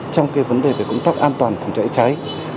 trong cái vấn đề về công tác an toàn phòng cháy cháy